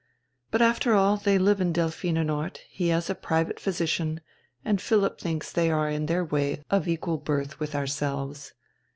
But after all they live in Delphinenort, he has a private physician, and Philipp thinks they are in their way of equal birth with ourselves.